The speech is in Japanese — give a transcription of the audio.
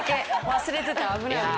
忘れてた危ない危ない。